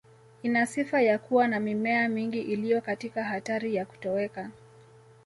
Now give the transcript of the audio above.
Ina sifa ya kuwa na mimea mingi iliyo katika hatari ya kutoweka